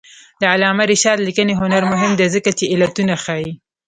د علامه رشاد لیکنی هنر مهم دی ځکه چې علتونه ښيي.